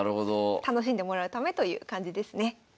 楽しんでもらうためという感じですね。